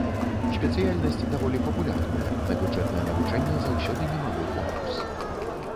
Спецыяльнасць даволі папулярная, на бюджэтнае навучанне заўсёды немалы конкурс.